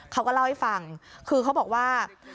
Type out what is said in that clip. เขาก็เล่าให้ฟังคือเขาบอกว่า